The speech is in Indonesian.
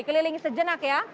keliling sejenak ya